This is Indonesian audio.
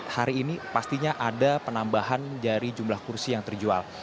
hari ini pastinya ada penambahan dari jumlah kursi yang terjual